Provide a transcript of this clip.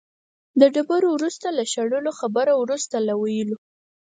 ډبره وروسته له شړلو، خبره وروسته له ویلو.